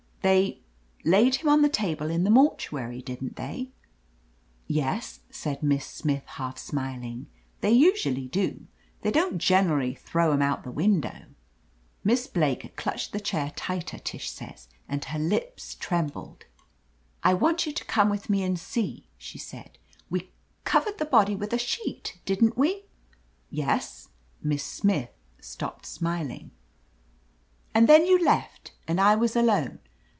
They — ^laid him on the table in the mortuary, didn't they?" "Yes," said Miss Smith, half smiling. "They usually do. They don't generally throw 'em out the window." Miss Blake clutched the chair tighter, Tish says, and her lips trembled. 9 \ >i u •^» THE AMAZING ADVENTURES "I want you to come with me and see," she said. "We — covered the body with a sheet, didn't we?'* '*Yes," Miss Smith stopped smiling. "And then you left, and I was alone.